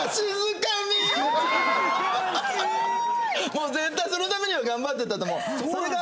もう絶対そのためには頑張ってたと思う。